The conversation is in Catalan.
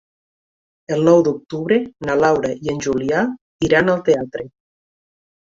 El nou d'octubre na Laura i en Julià iran al teatre.